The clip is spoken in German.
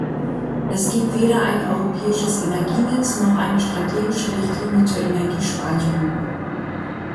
Es gibt weder ein europäisches Energienetz noch eine strategische Richtlinie zur Energiespeicherung.